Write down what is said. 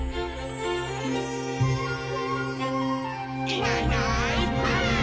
「いないいないばあっ！」